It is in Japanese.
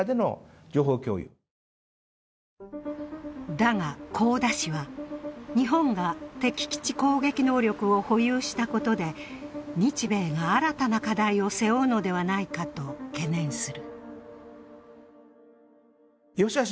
だが、香田氏は、日本が敵基地攻撃能力を保有したことで日米が新たな課題を背負うのではないかと懸念する。